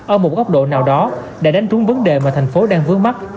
ở một góc độ nào đó để đánh trúng vấn đề mà thành phố đang vướng mắt